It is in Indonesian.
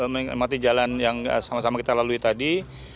menikmati jalan yang sama sama kita lalui tadi